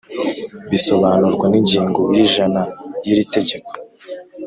bisobanurwa n ingingo y’ijana y iri tegeko